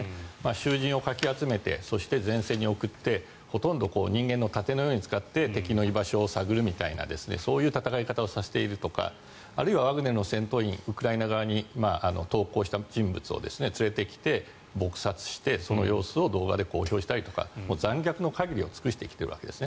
囚人をかき集めてそして、前線に送ってほとんど人間の盾のように使って敵の場所を把握するとかあるいはワグネルの戦闘員ウクライナ側に投降した人物を連れてきて撲殺してその様子を動画で撮影したりとか残虐の限りを尽くしています。